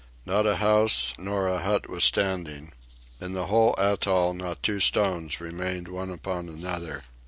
Not a house nor a hut was standing. In the whole atoll not two stones remained one upon another.